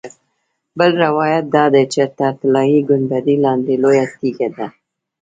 بل روایت دا دی چې تر طلایي ګنبدې لاندې لویه تیږه ده.